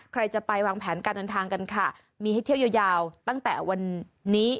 ใครจะไปวางแผนการเดินทางกันค่ะมีให้เที่ยวยาวตั้งแต่วันนี้